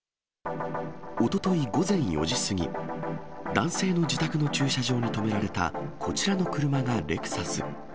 おととい午前４時過ぎ、男性の自宅の駐車場に止められたこちらの車がレクサス。